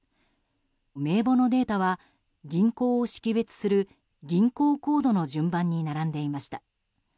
名簿のデータは銀行を識別する銀行コードの順番に並んでいました。